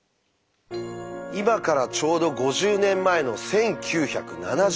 今からちょうど５０年前の１９７２年。